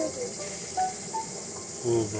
いいね。